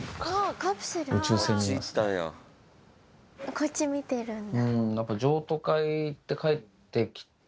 こっち見てるんだ。